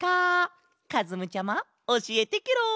かずむちゃまおしえてケロ！